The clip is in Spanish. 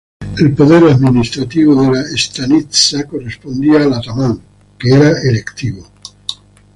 El poder administrativo de la "stanitsa" correspondía al atamán, que era electivo.